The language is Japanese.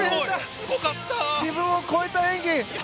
自分を超えた演技！